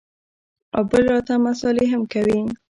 او بل راته مسالې هم کوې.